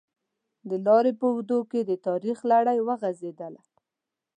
د لارې په اوږدو کې د تاریخ لړۍ وغزېدله.